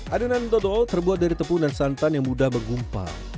adonan dodol terbuat dari tepung dan santan yang mudah bergumpal